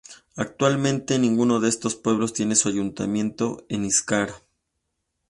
Actualmente, ninguno de estos pueblos tiene su Ayuntamiento en Íscar.